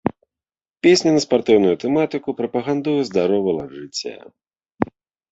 Песня на спартыўную тэматыку, прапагандуе здаровы лад жыцця.